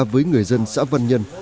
với người dân xã văn nhân